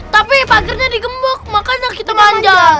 tapi pak akhirnya digembuk makanya kita manjat